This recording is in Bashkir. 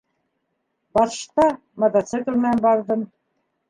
Башта мотоцикл менән барҙым.